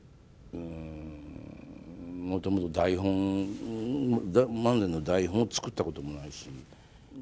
うんもともと台本漫才の台本も作ったこともないし。